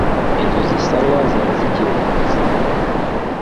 Inzu zisanwa zari zigiye kugwa zimwe